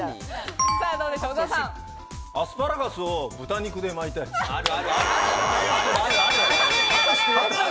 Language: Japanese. アスパラガスを豚肉で巻いてある。